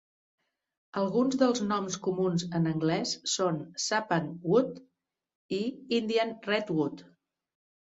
Alguns dels noms comuns en anglès són sappanwood i Indian redwood.